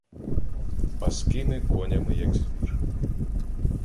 Баскими конями, як звір.